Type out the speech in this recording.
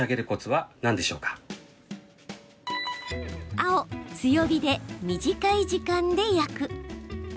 青・強火で、短い時間で焼く。